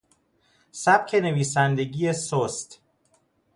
سبک نویسندگی سست